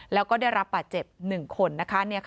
แล้วก็ได้รับปะเจ็บ๑คน